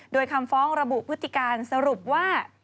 โดยคำฟ้องระบุพฤติการสรุปว่า